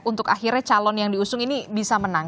untuk akhirnya calon yang diusung ini bisa menang